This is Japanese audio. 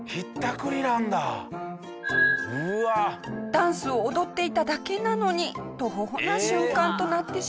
ダンスを踊っていただけなのにトホホな瞬間となってしまいました。